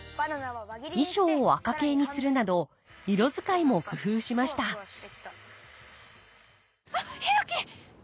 衣装を赤系にするなど色使いも工夫しました・あっヒロキ！